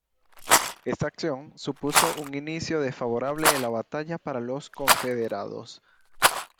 Esta acción supuso un inicio desfavorable de la batalla, para los confederados.